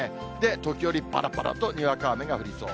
時折ぱらぱらとにわか雨が降りそう。